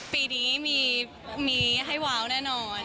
ปีนี้มีแฮวาวแน่นอน